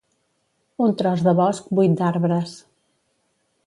Un tros de bosc buit d'arbres.